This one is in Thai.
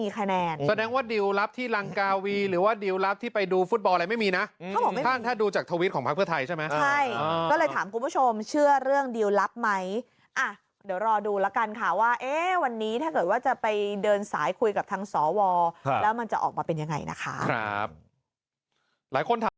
ก็เลยถามคุณผู้ชมเชื่อเรื่องดิวลับไหมเดี๋ยวรอดูแล้วกันค่ะว่าวันนี้ถ้าเกิดว่าจะไปเดินสายคุยกับทางสวแล้วมันจะออกมาเป็นยังไงนะครับหลายคน